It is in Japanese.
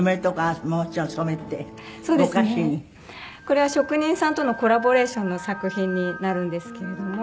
これは職人さんとのコラボレーションの作品になるんですけれども。